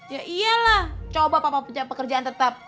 ya iyalah coba papa punya pekerjaan tetap